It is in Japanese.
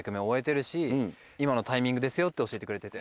今のタイミングですよって教えてくれてて。